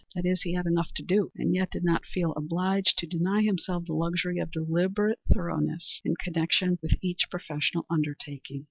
That is, he had enough to do and yet did not feel obliged to deny himself the luxury of deliberate thoroughness in connection with each professional undertaking.